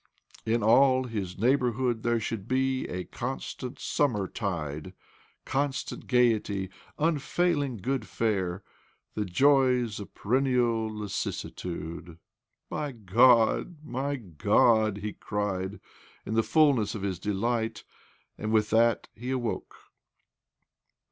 In all his neighbourhood there should be constant summertide, constant gaiety, unfailing good fare, the joys of perennial lassitude. ..." My God, my God I " he cried in the full ness of his delight : and with that he awoke.